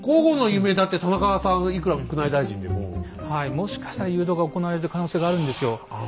もしかしたら誘導が行われてる可能性があるんですよ。